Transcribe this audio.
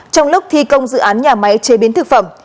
trong lúc thi công dự án nhà máy chế biến thực phẩm